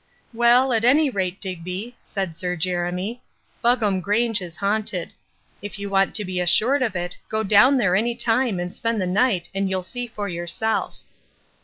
"Well, at any rate, Digby," said Sir Jeremy, "Buggam Grange is haunted. If you want to be assured of it go down there any time and spend the night and you'll see for yourself."